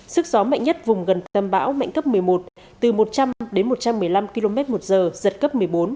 sức gió mạnh nhất vùng gần tâm bão mạnh cấp một mươi một từ một trăm linh đến một trăm một mươi năm km một giờ giật cấp một mươi bốn